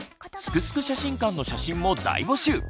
「すくすく写真館」の写真も大募集！